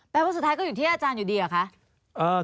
ว่าสุดท้ายก็อยู่ที่อาจารย์อยู่ดีเหรอคะ